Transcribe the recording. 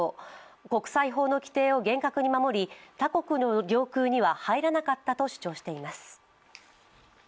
国際法の規定を厳格に守り他国の領空には入らなかったと主張しています。